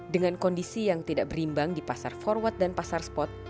dengan kondisi yang tidak berimbang di pasar forward dan pasar spot